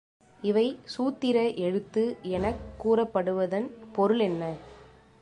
இவை சூத்திர எழுத்து எனக் கூறப்படுவதன் பொருளென்ன?